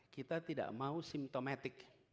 kita tidak mau symptomatic